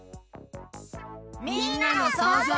みんなのそうぞう。